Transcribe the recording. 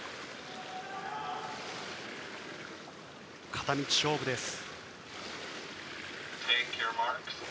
片道勝負です。